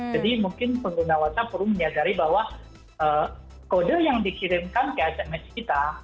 jadi mungkin penduduk whatsapp perlu menyadari bahwa kode yang dikirimkan ke sms kita